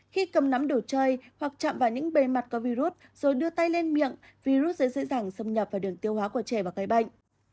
khi cầm nắm đồ chơi hoặc chạm vào những bề mặt có virus rồi đưa tay lên miệng virus dễ dàng xâm nhập vào đường tiêu hóa của trẻ và gây bệnh